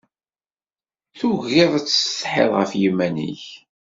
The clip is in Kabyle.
Tugiḍ ad tsetḥiḍ ɣef yiman-ik.